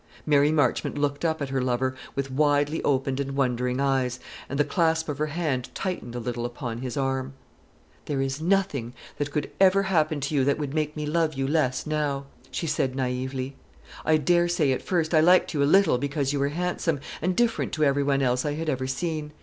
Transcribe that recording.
Mary Marchmont looked up at her lover with widely opened and wondering eyes, and the clasp of her hand tightened a little upon his arm. "There is nothing that could ever happen to you that would make me love you less now," she said naïvely. "I dare say at first I liked you a little because you were handsome, and different to every one else I had ever seen.